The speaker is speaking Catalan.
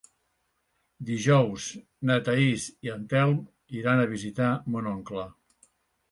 Dijous na Thaís i en Telm iran a visitar mon oncle.